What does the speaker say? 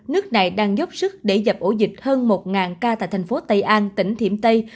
nước này đang dốc sức để dập ổ dịch hơn một ca tại thành phố tây an tỉnh thiểm tây